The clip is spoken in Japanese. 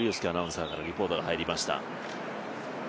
アナウンサーからリポートが入りました。